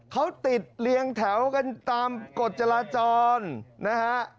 เขาติดเรียงแถวกันตามกฎจราจรนะฮะ